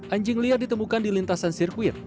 anjing liar ditemukan di lintasan sirkuit